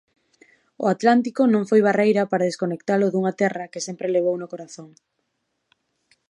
O Atlántico non foi barreira para desconectalo dunha Terra que sempre levou no corazón.